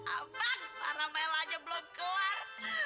ampak para mela aja belum keluar